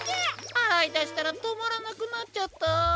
あらいだしたらとまらなくなっちゃった。